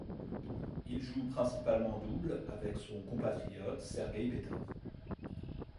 Il joue principalement en double avec son compatriote Sergey Betov.